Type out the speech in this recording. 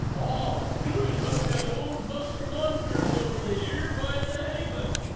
Bob, do 'ee look at old Muster Manders ovver theer by th' hellyphant.